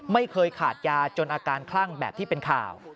ไม่เคยขาดยาจนอาการคลั่งแบบที่เป็นข่าว